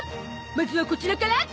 まずはこちらからどうぞ！